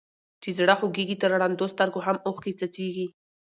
چي زړه خوږيږي تر ړندو سترګو هم اوښکي څڅيږي.